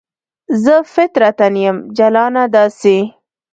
زه فطرتاً یم جلانه داسې